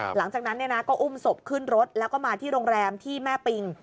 หลังจากนั้นก็อุ้มศพขึ้นรถแล้วก็มาที่โรงแรมที่แม่ปิง